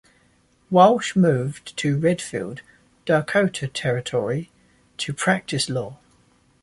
Walsh moved to Redfield, Dakota Territory to practice law.